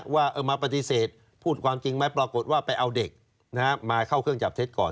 ว่ามาปฏิเสธพูดความจริงไหมปรากฏว่าไปเอาเด็กมาเข้าเครื่องจับเท็จก่อน